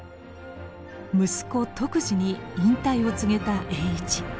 息子篤二に引退を告げた栄一。